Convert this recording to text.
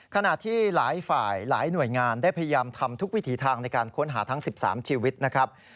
ขณะที่หลายฝ่ายหลายหน่วยงานได้พยายามทำทุกวิถีทางในการค้นหาทั้ง๑๓ชีวิตนะครับ